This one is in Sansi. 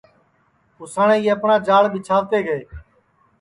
اُساٹؔے یہ اپٹؔا جال ٻیچھاتے گے اور پیچھیں جموُریتاپ اِن کا جال ناکام گیا